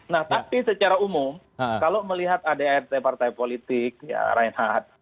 nah tapi secara umum kalau melihat adart partai politik ya reinhardt